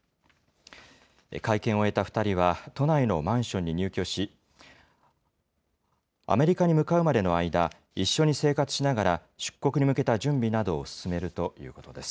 会見を終えた２人は、都内のマンションに入居し、アメリカに向かうまでの間、一緒に生活しながら、出国に向けた準備などを進めるということです。